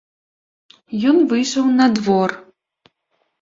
Ён выйшаў на двор.